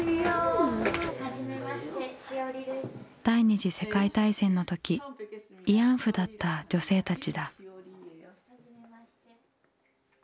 第２次世界大戦の時慰安婦だった女性たちだ。